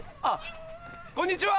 こんにちは！